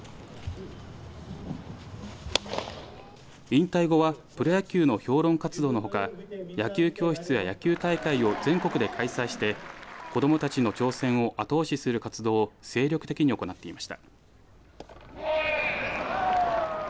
引退後はプロ野球の評論活動のほか野球教室や野球大会を全国で開催して子どもたちの挑戦を後押しする活動を精力的に行っていました。